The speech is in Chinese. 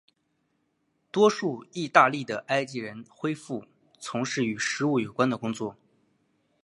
多数义大利的埃及人恢从事与食物有关的工作。